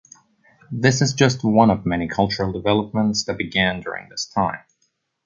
This is just one of many cultural developments that began during this time.